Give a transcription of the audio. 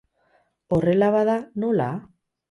Horrela bada, nola?